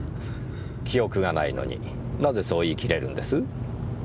記憶がないのになぜそう言い切れるんです？